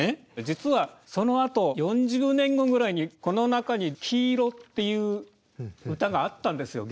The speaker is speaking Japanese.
実はそのあと４０年後ぐらいにこの中に黄色っていう歌があったんですよ